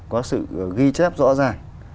có sự ghi chép rõ ràng